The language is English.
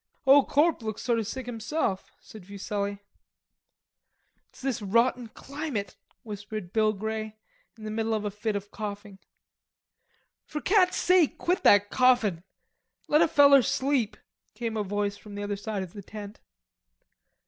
"Ole Corp. looks sort o' sick himself," said Fuselli. "It's this rotten climate" whispered Bill Grey, in the middle of a fit of coughing. "For cat's sake quit that coughin'. Let a feller sleep," came a voice from the other side of the tent.